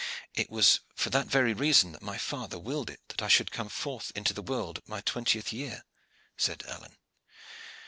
"It was for that very reason that my father willed that I should come forth into the world at my twentieth year," said Alleyne.